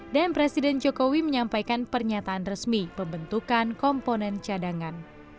dan presiden jokowi menyampaikan pernyataan resmi pembentukan komponen cadangan